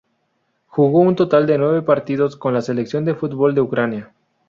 Jugó un total de nueve partidos con la selección de fútbol de Ucrania.